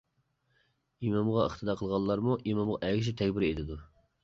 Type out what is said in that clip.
ئىمامغا ئىقتىدا قىلغانلارمۇ ئىمامغا ئەگىشىپ تەكبىر ئېيتىدۇ.